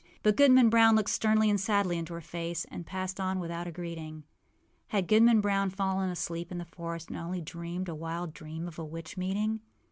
But Goodman Brown looked sternly and sadly into her face, and passed on without a greeting. Had Goodman Brown fallen asleep in the forest and only dreamed a wild dream of a witch meeting?